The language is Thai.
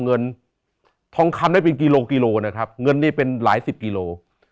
เงินทองคำได้เป็นกิโลกิโลนะครับเงินนี่เป็นหลายสิบกิโล